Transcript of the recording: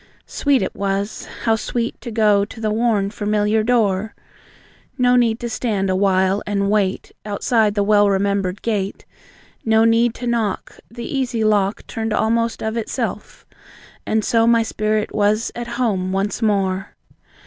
Sweet it was, how sweet to go To the worn, familiar door. No need to stand a while, and wait, Outside the well remembered gate; No need to knock; The easy lock Turned almost of itself, and so My spirit was "at home" once more.